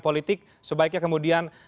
politik sebaiknya kemudian